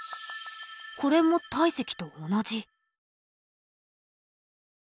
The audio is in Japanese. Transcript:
これも体積と同じ。